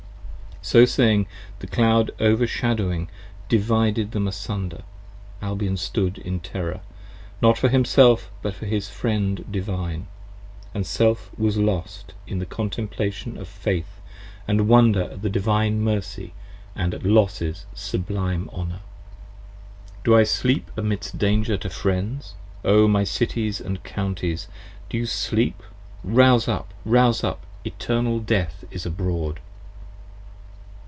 So saying the Cloud overshadowing divided them asunder. 30 Albion stood in terror: not for himself but for his Friend Divine, & Self was lost in the contemplation of faith And wonder at the Divine Mercy & at Los's sublime honour. Do I sleep amidst danger to Friends! O my Cities & Counties Do you sleep! rouze up, rouze up, Eternal Death is abroad!